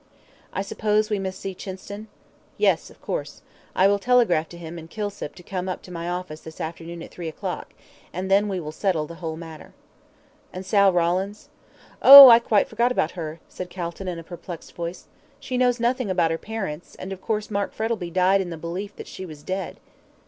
"I suppose we must see Chinston?" "Yes, of course. I will telegraph to him and Kilsip to come up to my office this afternoon at three o'clock, and then we will settle the whole matter." "And Sal Rawlins?" "Oh! I quite forgot about her," said Calton, in a perplexed voice. "She knows nothing about her parents, and, of course, Mark Frettlby died in the belief that she was dead."